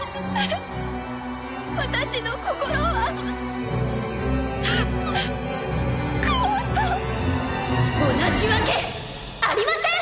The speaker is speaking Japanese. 私の心は同じわけありません！